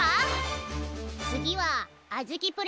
つぎはあずきプレゼンツ！